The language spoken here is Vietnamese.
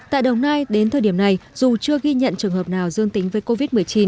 tại đồng nai đến thời điểm này dù chưa ghi nhận trường hợp nào dương tính với covid một mươi chín